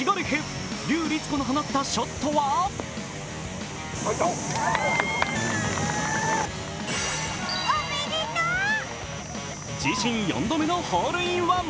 笠りつ子の放ったショットは自身４度目のホールインワン。